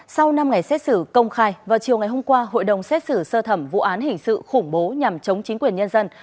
sau năm ngày xét xử công khai vào chiều ngày hôm qua hội đồng xét xử sơ thẩm vụ án hình sự khủng bố nhằm chống chính quyền nhân dân